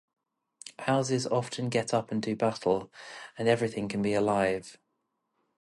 Houses often get up and do battle, and everything can be alive.